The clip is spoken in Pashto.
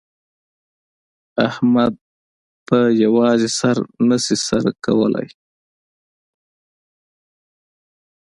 احمد په په یوازې سر نه شي سر کولای.